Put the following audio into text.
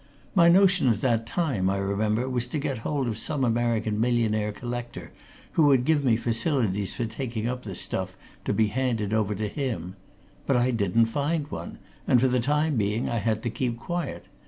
My notion at that time, I remember, was to get hold of some American millionaire collector who would give me facilities for taking up the stuff, to be handed over to him. But I didn't find one, and for the time being I had to keep quiet.